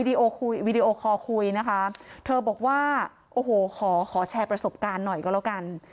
วีดีโอคอคุยนะคะเธอบอกว่าขอแชร์ประสบการณ์หน่อยก็แล้วกัน